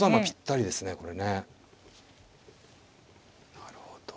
なるほど。